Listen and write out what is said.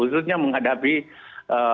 usutnya menghadapi eee